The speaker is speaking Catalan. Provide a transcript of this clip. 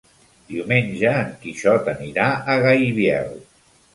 Diumenge en Quixot anirà a Gaibiel.